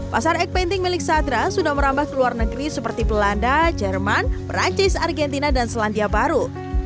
pasar acpanting milik sadra sudah merambah ke luar negeri seperti belanda jerman perancis argentina dan selandia baru